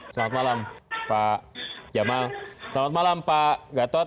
selamat malam pak jamal selamat malam pak gatot